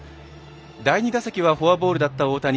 第２打席はフォアボールだった大谷。